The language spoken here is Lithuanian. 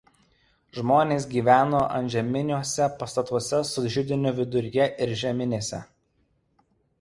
Žmonės gyveno antžeminiuose pastatuose su židiniu viduryje ir žeminėse.